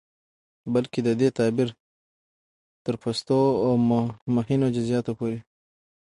بلکې د دې تعبير تر پستو او مهينو جزيىاتو پورې